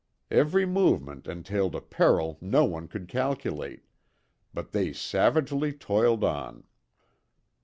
Every movement entailed a peril no one could calculate, but they savagely toiled on.